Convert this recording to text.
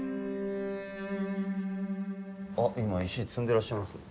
あっ今石積んでらっしゃいますね。